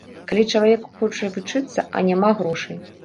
Калі чалавек хоча вучыцца, а няма грошай?